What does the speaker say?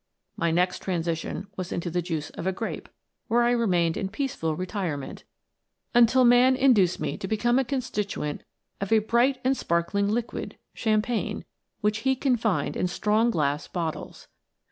My next transition was into the juice of a grape, where I remained in peaceful retirement, until man induced me to be come a constituent of a bright and sparkling liquid, which he confined in strong glass bottles.